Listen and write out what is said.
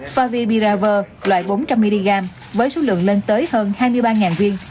faviraver loại bốn trăm linh mg với số lượng lên tới hơn hai mươi ba viên